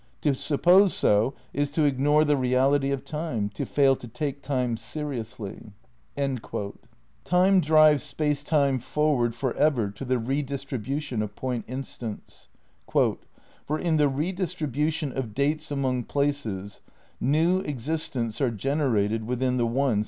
To suppose so is to ignore the reality of Time, to fail to take Time seriously." ' Time drives Space Time forward for ever to the re distribution of point instants, "For in the redistribution of dates among places, new existents are generated within the one Space Time."'